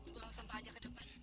buang sampah aja ke depan